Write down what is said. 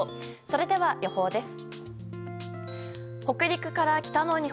それでは、予報です。